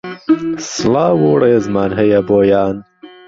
سڵاو و رێزمان هەیە بۆیان